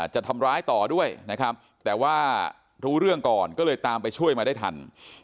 จะทำร้ายต่อด้วยนะครับแต่ว่ารู้เรื่องก่อนก็เลยตามไปช่วยมาได้ทัน